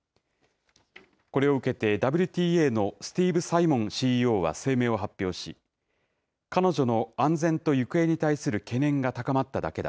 これを受けて、ＷＴＡのスティーブ・サイモンＣＥＯは声明を発表し、彼女の安全と行方に対する懸念が高まっただけだ。